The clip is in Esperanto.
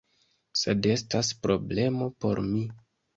Sed estas problemo por mi.